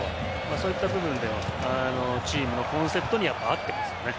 そういった部分でもチームのコンセプトには合ってますよね。